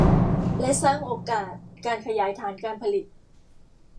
และสร้างโอกาสการขยายฐานการผลิต